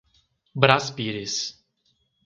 Brás Pires